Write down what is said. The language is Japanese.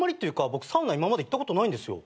僕サウナ今まで行ったことないんですよ。